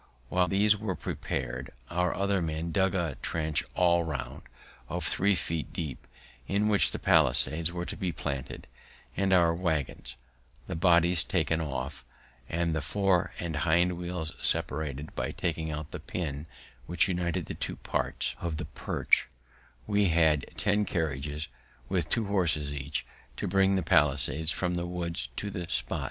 While these were preparing, our other men dug a trench all round, of three feet deep, in which the palisades were to be planted; and, our waggons, the bodies being taken off, and the fore and hind wheels separated by taking out the pin which united the two parts of the perch, we had ten carriages, with two horses each, to bring the palisades from the woods to the spot.